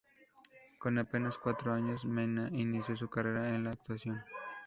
Con apenas cuatro años, Meena inició su carrera en la actuación.